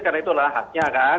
karena itulah haknya kan